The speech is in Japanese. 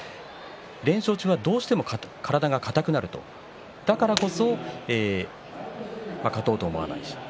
連勝中はどうしても体が硬くなるだからこそ勝とうとは思わない。